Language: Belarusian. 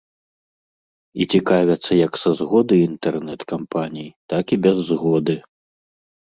І цікавяцца як са згодны інтэрнэт-кампаній, так і без згоды.